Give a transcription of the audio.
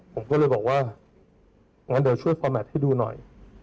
ผมก็เลยบอกว่างั้นเดี๋ยวช่วยฟอร์แมทให้ดูหน่อย